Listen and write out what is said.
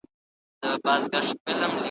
زه په خیال کي شاه جهان د دې جهان وم ,